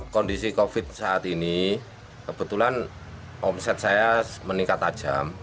kondisi covid saat ini kebetulan omset saya meningkat tajam